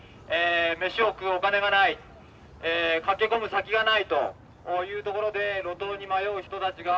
飯を食うお金がない駆け込む先がないというところで路頭に迷う人たちが増えている。